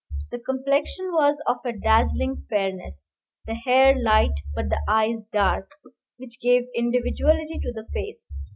The complexion was of a dazzling fairness, the hair light, but the eyes dark, which gave individuality to the face.